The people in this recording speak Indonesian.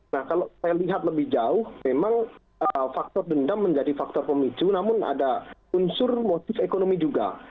nah kalau saya lihat lebih jauh memang faktor dendam menjadi faktor pemicu namun ada unsur motif ekonomi juga